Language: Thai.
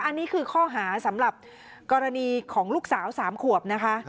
อันนี้คือข้อหาสำหรับกรณีของลูกสาว๓ขวบนะคะ